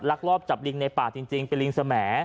ลอบจับลิงในป่าจริงเป็นลิงสม